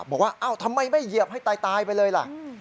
เอ้าทำไมไม่เหยียบให้ตายไปเลยล่ะ